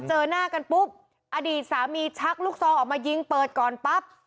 เจอหน้ากันปุ๊บอดีตสามีชักลูกซองออกมายิงเปิดก่อนปั๊บ